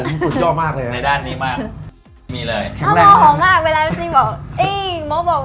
เขาบอกรอได้มั้ยคลอดดีเซ็นเบอร์